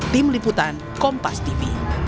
tim liputan kompas tv